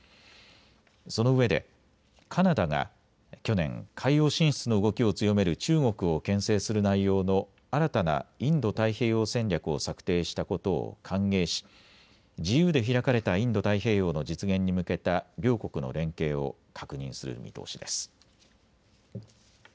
そのうえでカナダが去年、海洋進出の動きを強める中国をけん制する内容の新たなインド太平洋戦略を策定したことを歓迎し自由で開かれたインド太平洋の実現に向けた両国の連携を確認する見通しです。